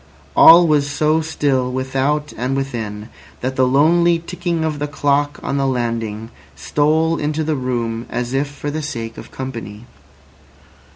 All was so still without and within that the lonely ticking of the clock on the landing stole into the room as if for the sake of company.